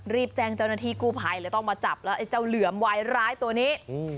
รีบแจ้งเจ้าหน้าที่กู้ภัยเลยต้องมาจับแล้วไอ้เจ้าเหลือมวายร้ายตัวนี้